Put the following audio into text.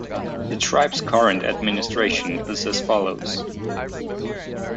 The tribe's current administration is as follows.